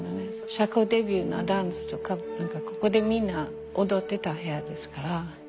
社交デビューのダンスとかここでみんな踊ってた部屋ですから。